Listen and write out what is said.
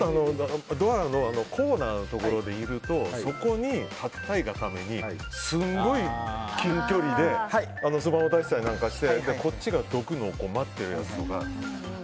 ドアのコーナーのところにいると、そこに立ちたいがためにすごい近距離でスマホ出したりなんかしてこっちが、どくのを待っているやつとか。